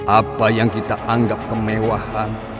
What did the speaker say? apa yang kita anggap kemewahan